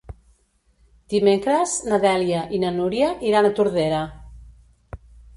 Dimecres na Dèlia i na Núria iran a Tordera.